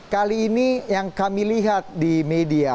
kali ini yang kami lihat di media